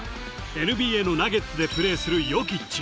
ＮＢＡのナゲッツでプレーするヨキッチ。